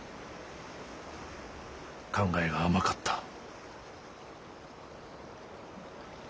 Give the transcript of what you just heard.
考えが甘かった。